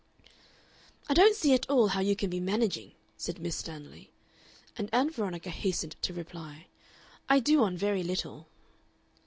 "I don't see at all how you can be managing," said Miss Stanley, and Ann Veronica hastened to reply, "I do on very little."